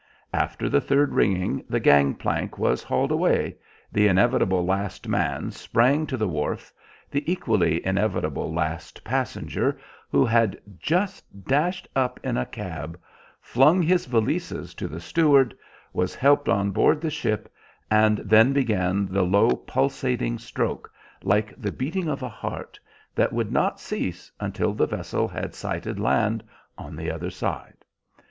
After the third ringing the gang plank was hauled away, the inevitable last man sprang to the wharf, the equally inevitable last passenger, who had just dashed up in a cab, flung his valises to the steward, was helped on board the ship, and then began the low pulsating stroke, like the beating of a heart, that would not cease until the vessel had sighted land on the other side.